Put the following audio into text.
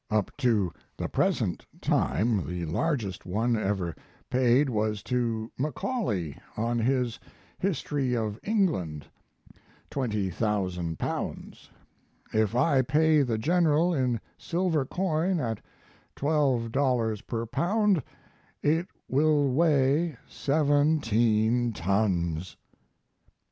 Up to the present time the largest one ever paid was to Macaulay on his History of England, L20,000. If I pay the General in silver coin at $12 per pound it will weigh seventeen tons.